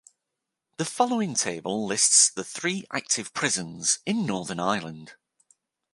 The following table lists the three active prisons in Northern Ireland.